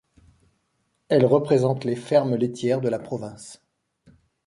Elle représente les fermes laitières de la province.